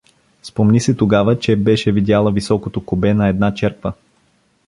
Спомни си тогава, че беше видяла високото кубе на една черква.